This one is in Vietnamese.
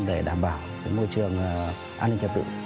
để đảm bảo môi trường an ninh trật tự